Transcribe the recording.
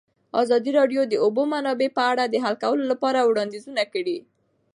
ازادي راډیو د د اوبو منابع په اړه د حل کولو لپاره وړاندیزونه کړي.